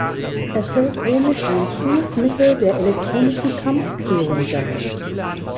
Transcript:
Er stellt somit ein frühes Mittel der elektronischen Kampfführung dar.